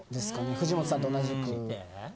藤本さんと同じく。え！？